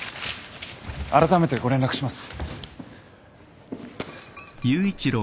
あらためてご連絡します。